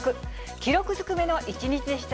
記録ずくめの一日でした。